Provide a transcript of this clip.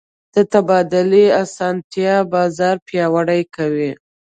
د تبادلې اسانتیا بازار پیاوړی کوي.